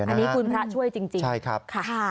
อันนี้คุณพระช่วยจริงใช่ครับค่ะ